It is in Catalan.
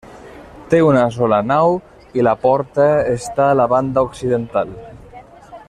Té una sola nau i la porta està a la banda occidental.